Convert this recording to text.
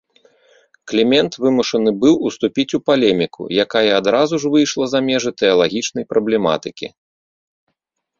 Клімент вымушаны быў уступіць у палеміку, якая адразу ж выйшла за межы тэалагічнай праблематыкі.